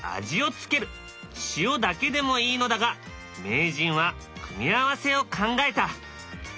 塩だけでもいいのだが名人は組み合わせを考えた。